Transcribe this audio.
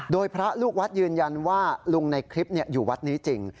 โดยพระลูกวัดยืนยันว่าลุงในคลิปอยู่วัดนี้จริง